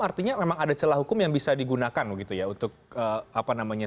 artinya memang ada celah hukum yang bisa digunakan begitu ya